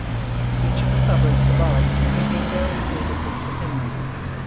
Each of the suburbs above contain various neighbourhoods within them.